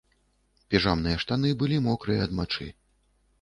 Піжамныя штаны былі мокрыя ад мачы.